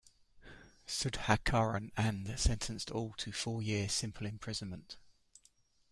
Sudhakaran, and sentenced all to four-year simple imprisonment.